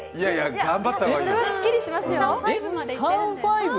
頑張った方がいいよ。